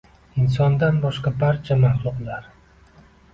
Insondan boshqa barcha maxluqlar